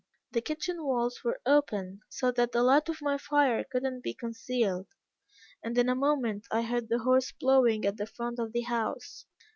The kitchen walls were open so that the light of my fire could not be concealed, and in a moment I heard the horse blowing at the front of the house.